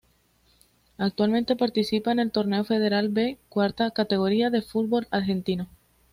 Actualmente participa en el Torneo Federal B, cuarta categoría del fútbol argentino.